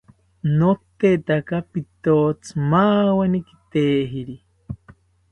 Notetaka pitotzi maaweni kitejiri